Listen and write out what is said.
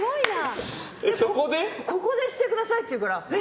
ここでしてくださいって言うからえ？